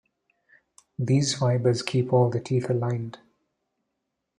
These fibers keep all the teeth aligned.